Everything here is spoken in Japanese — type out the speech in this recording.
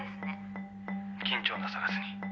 「緊張なさらずに」